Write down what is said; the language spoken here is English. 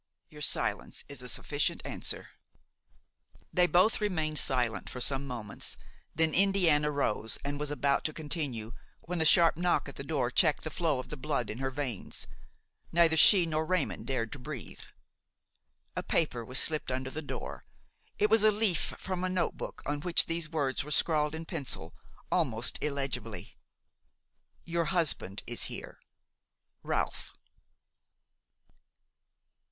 Your silence is a sufficient answer." They both remained silent for some moments; then Indiana rose and was about to continue, when a sharp knock at the door checked the flow of the blood in her veins. Neither she nor Raymon dared to breathe. A paper was slipped under the door. It was a leaf from a note book on which these words were scrawled in pencil, almost illegibly: "Your husband is here. "RALPH."